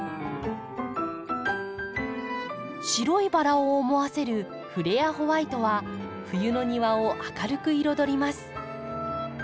白いバラを思わせるフレアホワイトは冬の庭を明るく彩ります。